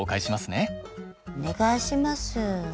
お願いします。